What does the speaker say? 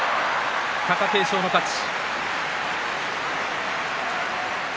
貴景勝の勝ち。